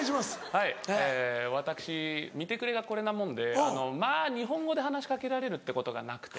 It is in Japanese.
はい私見てくれがこれなもんでまぁ日本語で話し掛けられるってことがなくて。